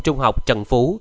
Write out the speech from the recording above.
trung học trần phú